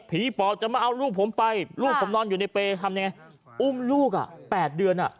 ปอบจะมาเอาลูกผมไปลูกผมนอนอยู่ในเปรย์ทำยังไงอุ้มลูกอ่ะ๘เดือน